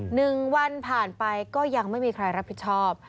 หนึ่งวันผ่านไปก็ยังไม่มีใครรับผิดชอบ